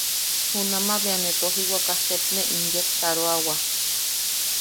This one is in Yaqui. Junamaʼa bea ne tojiwaka sep ne inyektaroawa.